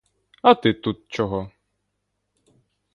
А ти тут чого?